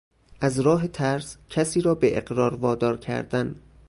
از راه ترس کسی را به اقرار وادار کردن